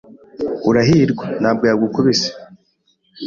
Urahirwa ntabwo yagukubise.